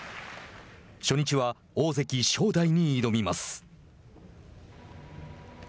初日は、大関・正代に挑みます。